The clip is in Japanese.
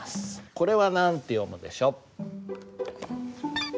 これは何て読むでしょう？